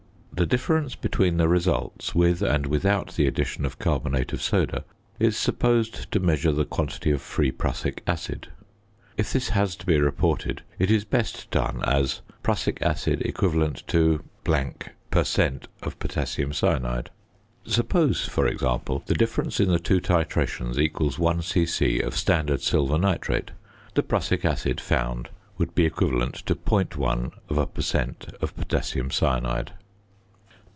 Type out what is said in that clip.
The difference between the results, with and without the addition of carbonate of soda, is supposed to measure the quantity of free prussic acid. If this has to be reported it is best done as "prussic acid equivalent to ... per cent. of potassium cyanide." Suppose, for example, the difference in the two titrations equals 1 c.c. of standard silver nitrate; the prussic acid found would be equivalent to .1 per cent. of potassium cyanide.